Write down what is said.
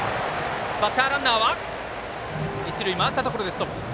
バッターランナーは一塁回ったところでストップ。